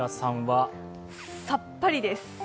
さっぱりです。